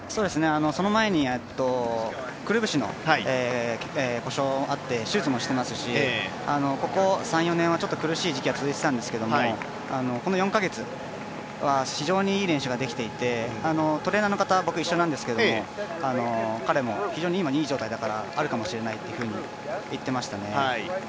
その前にくるぶしの故障で手術もしていますし、ここ３４年は苦しい時期が続いていたんですけどここ３４カ月はいい練習ができていてトレーナーの方、一緒なんですけど、彼も非常にいい状態だからあるかもしれないっていうふうに言ってましたね。